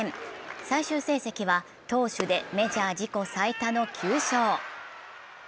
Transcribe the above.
最終成績は投手でメジャー自己最多の９勝。